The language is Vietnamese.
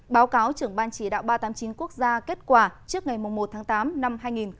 báo cáo trưởng ban chỉ đạo ba trăm tám mươi chín quốc gia kết quả trước ngày một tháng tám năm hai nghìn một mươi chín